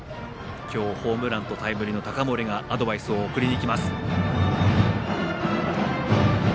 今日ホームランとタイムリーの高森がアドバイスを送りに行きます。